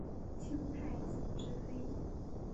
清太祖之妃。